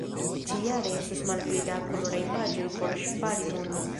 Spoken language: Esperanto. Ĉi-jare estos malpli da koloraj paĝoj por ŝpari monon.